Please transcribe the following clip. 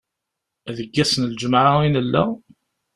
Deg ass n lǧemɛa i nella?